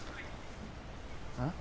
ああ？